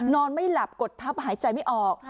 นอนไม่หลับกดทับหายใจไม่ออก